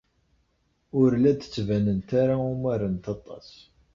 Ur la d-ttbanent ara umarent aṭas.